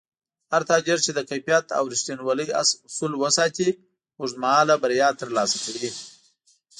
هر تاجر چې د کیفیت او رښتینولۍ اصول وساتي، اوږدمهاله بریا ترلاسه کوي